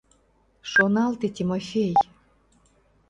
Шоналте, Тимофей?